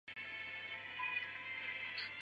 某些新闻报道表示贝克曾试图贿选。